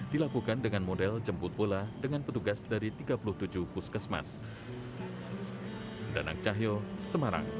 dilakukan dengan model jemput pula dengan petugas dari tiga puluh tujuh puskesmas